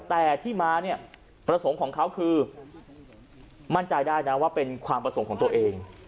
แต่ที่มาเนี่ยประสงค์ของเขาคือมั่นใจได้นะว่าเป็นความประสงค์ของตัวเอง